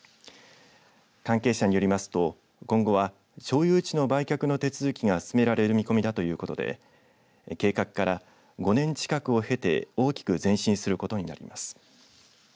関係者によりますと今後は町有地の売却の手続きが進められる見込みだということで計画から５年近くを経て大きく前進することになります。